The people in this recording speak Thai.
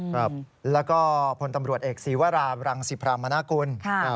แล้วก็ผลตำรวจเอกษีวรรารังศรีพรรมานากุล